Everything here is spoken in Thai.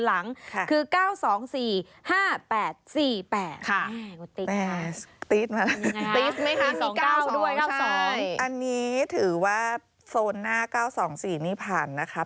อันนี้ถือว่าโซนหน้า๙๒๔นี่ผ่านนะครับ